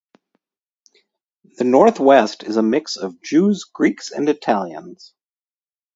The northwest is a mix of Jews, Greeks, and Italians.